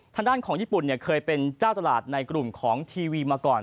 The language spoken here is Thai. ทางด้านของญี่ปุ่นเนี่ยเคยเป็นเจ้าตลาดในกลุ่มของทีวีมาก่อน